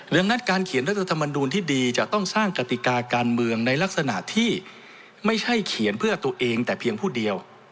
ดังนั้นการเขียนรัฐธรรมนูลที่ดีจะต้องสร้างกติกาการเมืองในลักษณะที่ไม่ใช่เขียนเพื่อตัวเองแต่เพียงผู้เดียว